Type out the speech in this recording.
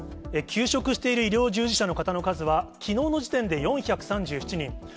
休職している医療従事者の人の数は、きのうの時点で４３７人。